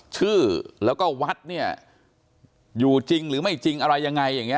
ชื่อแล้วก็วัดเนี่ยอยู่จริงหรือไม่จริงอะไรยังไงอย่างนี้